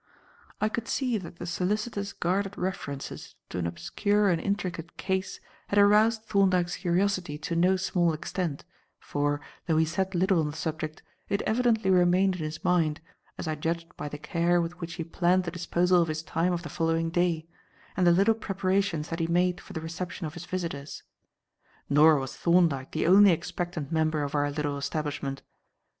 I could see that the solicitor's guarded references to an obscure and intricate case had aroused Thorndyke's curiosity to no small extent, for, though he said little on the subject, it evidently remained in his mind, as I judged by the care with which he planned the disposal of his time of the following day, and the little preparations that he made for the reception of his visitors. Nor was Thorndyke the only expectant member of our little establishment.